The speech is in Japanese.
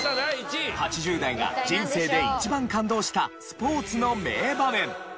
８０代が人生で一番感動したスポーツの名場面。